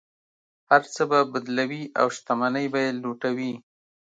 هر څه به بدلوي او شتمنۍ به یې لوټوي.